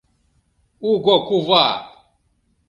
Угокува!